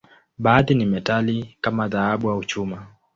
Baadhi ni metali, kama dhahabu au chuma.